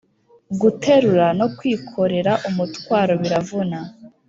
Guterura no kwikorera umutwaro biravuna